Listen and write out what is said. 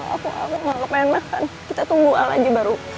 aku aku pengen makan kita tunggu al aja baru